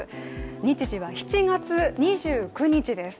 日時は７月２９日です。